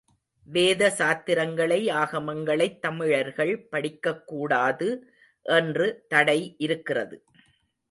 வேத சாத்திரங்களை, ஆகமங்களைத் தமிழர்கள் படிக்கக் கூடாது என்று தடை இருக்கிறது.